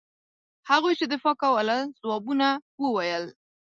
هغوی چې دفاع کوله ځوابونه وویل.